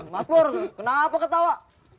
mas pur kenapa ketawa